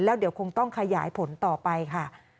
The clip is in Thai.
แล้วเดี๋ยวคงต้องขยายผลต่อไปค่ะ